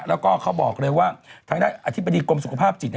แล้วก็เขาบอกเลยว่าทางอธิบดีกรมสุขภาพจิตเนี่ย